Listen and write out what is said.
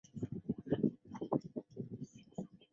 海梅尔廷根是德国巴伐利亚州的一个市镇。